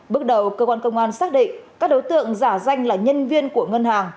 bước đầu cơ quan công an xác định các đối tượng giả danh là nhân viên của ngân hàng